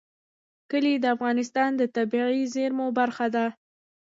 کلي د افغانستان د طبیعي زیرمو برخه ده.